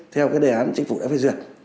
theo cái đề án chính phủ đã phát diện